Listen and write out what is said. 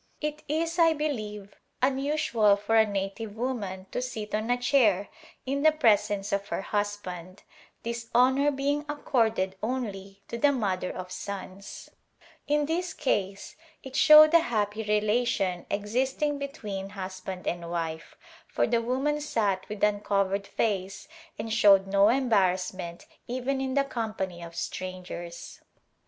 It is, I believe, unusual for a native woman to sit on a chair in the presence of her husband, this honor being accorded only to the mother of sons ; in this A Glimpse of India case it showed the happy relation existing between husband and wife, for the woman sat with uncovered face and showed no embarrassment even in the com pany of strangers.